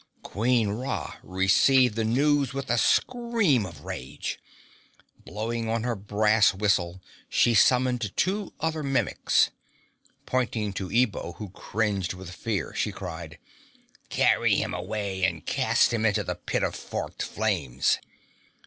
Queen Ra received the news with a scream of rage. Blowing on her brass whistle, she summoned two other Mimics. Pointing to Ebo who cringed with fear, she cried, "Carry him away and cast him into the Pit of Forked Flames."